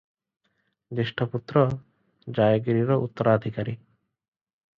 ଜ୍ୟେଷ୍ଠପୁତ୍ର ଜାୟଗିରିର ଉତ୍ତରାଧିକାରୀ ।